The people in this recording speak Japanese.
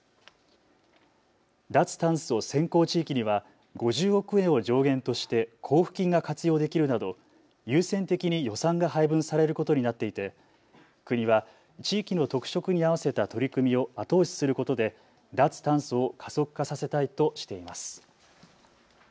脱炭素先行地域には５０億円を上限として交付金が活用できるなど優先的に予算が配分されることになっていて国は地域の特色に合わせた取り組みを後押しすることで脱炭素を加速化させたいとしています。